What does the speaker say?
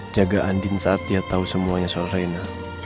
jaga andin saat dia tahu semuanya soal china